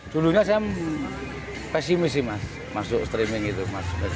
dulu saya pesimis mas masuk streaming gitu mas